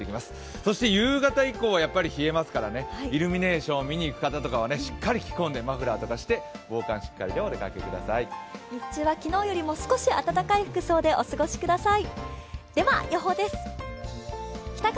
そして夕方以降はやっぱり冷えますから、イルミネーションを見にいく方はしっかり着込んで、マフラーとかして防寒しっかりで、お出かけください日中は昨日よりも少し温かい服装でお過ごしください。